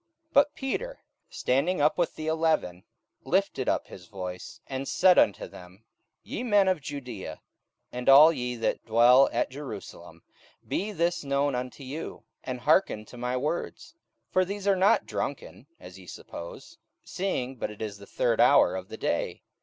44:002:014 But Peter, standing up with the eleven, lifted up his voice, and said unto them, Ye men of Judaea, and all ye that dwell at Jerusalem, be this known unto you, and hearken to my words: 44:002:015 For these are not drunken, as ye suppose, seeing it is but the third hour of the day.